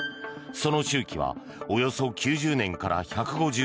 その周期はおよそ９０年から１５０年。